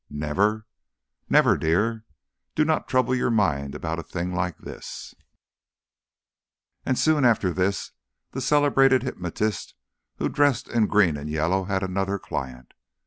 "Never?" "Never, dear. Do not trouble your mind about a thing like this." And soon after this the celebrated hypnotist who dressed in green and yellow had another client.